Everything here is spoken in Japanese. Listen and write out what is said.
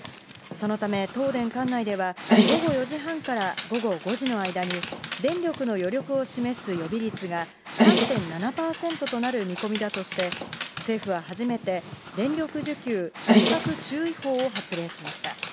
そのため東電管内では、午後４時半から午後５時の間に、電力の余力を示す予備率が３．７％となる見込みだとして、政府は初めて、電力需給ひっ迫注意報を発令しました。